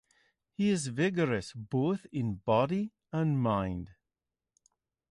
He is vigorous both in body and mind.